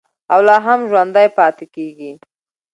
او لا هم ژوندی پاتې کیږي.